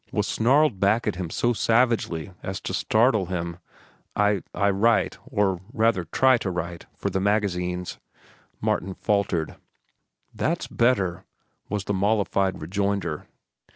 was snarled back at him so savagely as to startle him. "I—I write, or, rather, try to write, for the magazines," Martin faltered. "That's better," was the mollified rejoinder.